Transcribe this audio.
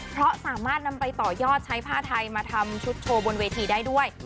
เพราะสามารถนำไปต่อยอดใช้ผ้าไทยมาทำชุดโชว์บนเวทีได้ด้วย